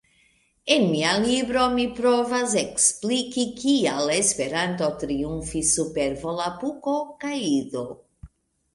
En mia libro mi provas ekspliki kial Esperanto triumfis super Volapuko kaj Ido.